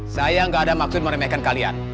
saya gak ada maksud meremehkan kalian